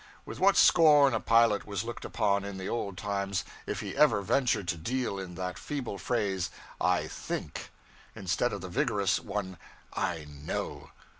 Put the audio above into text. With what scorn a pilot was looked upon, in the old times, if he ever ventured to deal in that feeble phrase 'I think,' instead of the vigorous one 'I know!'